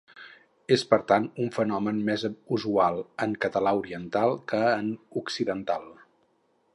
És, per tant, un fenomen més usual en català oriental que en occidental.